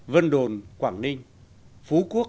vân đồn quảng ninh phú quốc